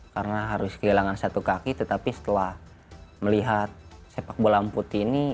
karena harus kehilangan satu kaki tetapi setelah melihat sepak bola amputi ini